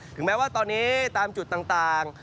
แม้ว่าตอนนี้ตามจุดต่าง